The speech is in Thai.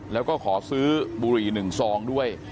แล้วก็ขอซื้อบุหรี่๑ซองด้วย